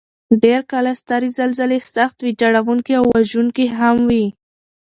ډېر کله سترې زلزلې سخت ویجاړونکي او وژونکي هم وي.